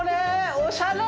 おしゃれ！